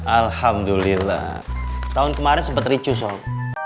alhamdulillah tahun kemarin sempat ricu soal